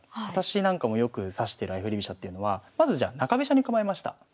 私なんかもよく指してる相振り飛車っていうのはまずじゃあ中飛車に構えました。